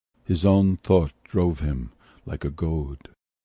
His own thought drove him like a goad.